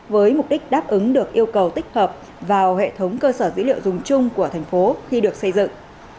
với mục đích đáp ứng được yêu cầu tích hợp vào hệ thống cơ sở dữ liệu dùng chung của thành phố khi được xây dựng